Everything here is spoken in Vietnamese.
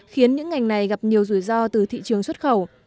khiến những ngành này gặp nhiều rủi ro từ thị trường xuất khẩu